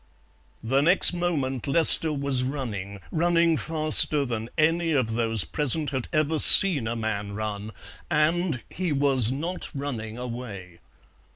The next moment Lester was running, running faster than any of those present had ever seen a man run, and he was not running away.